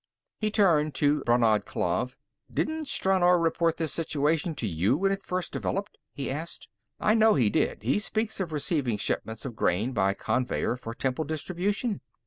He turned to Brannad Klav. "Didn't Stranor report this situation to you when it first developed?" he asked. "I know he did; he speaks of receiving shipments of grain by conveyer for temple distribution.